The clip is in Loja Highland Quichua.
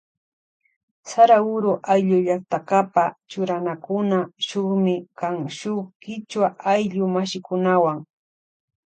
Saraguro ayllu llaktakapa churanakuna shukmi kan shuk kichwa ayllu mashikunawan.